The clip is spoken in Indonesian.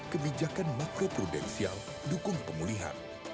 kebijakan makro prudensial dukung pemulihan